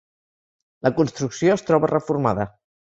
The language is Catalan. La construcció es troba reformada.